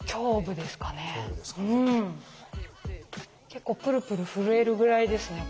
結構プルプル震えるぐらいですね。